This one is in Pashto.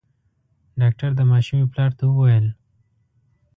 ډاکټر د ماشومي پلار ته وويل :